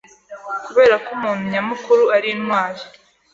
kubera ko umuntu nyamukuru ari intwari